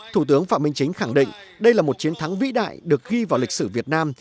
thủ tướng phạm minh chính khẳng định đây là một chiến thắng vĩ đại được ghi vào lịch sử việt nam